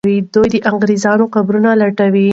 دوی د انګریزانو قبرونه لټولې.